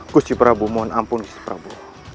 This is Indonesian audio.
gusti prabu mohon ampun gusti prabu